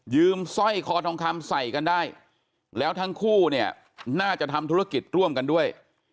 สร้อยคอทองคำใส่กันได้แล้วทั้งคู่เนี่ยน่าจะทำธุรกิจร่วมกันด้วย